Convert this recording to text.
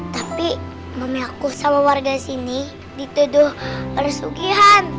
tapi mami aku sama warga sini dituduh resugihan